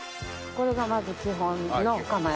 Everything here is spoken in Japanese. これがまず基本の構え。